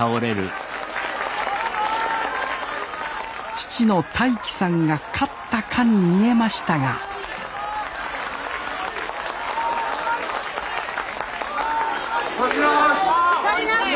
父の大輝さんが勝ったかに見えましたが・取り直し！